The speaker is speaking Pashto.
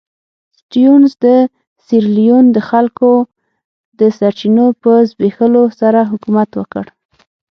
سټیونز د سیریلیون د خلکو د سرچینو په زبېښلو سره حکومت وکړ.